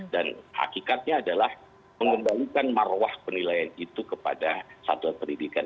dan hakikatnya adalah mengembalikan marwah penilaian itu kepada satuan pendidikan